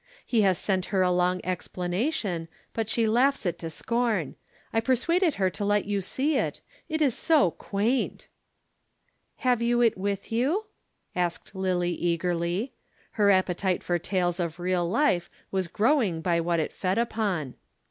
He has sent her a long explanation, but she laughs it to scorn. I persuaded her to let you see it it is so quaint." "Have you it with you?" asked Lillie eagerly. Her appetite for tales of real life was growing by what it fed upon.